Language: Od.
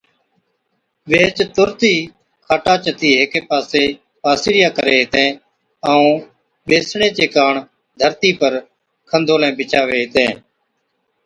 ويھِچ تُرت ئِي کاٽان جتِي ھيڪي پاسي پاسِيريا ڪرين ھِتين ائُون ٻيسڻي چي ڪاڻ ڌرتِي پر کنڌولين بِڇاوين ھِتين